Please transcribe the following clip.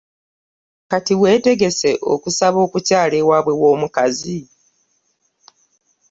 Kati weetegese okusaba okukyala ewaabwe w'omukazi?